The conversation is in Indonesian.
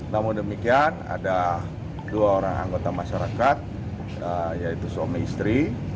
namun demikian ada dua orang anggota masyarakat yaitu suami istri